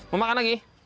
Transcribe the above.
mau makan lagi